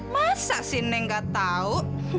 masa sih neng gak tau